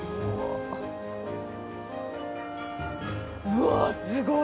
うわあすごい！